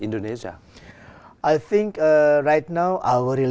đều rất hạnh phúc